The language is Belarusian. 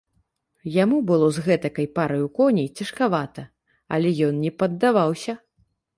Яму было з гэтакай параю коней цяжкавата, але ён не паддаваўся.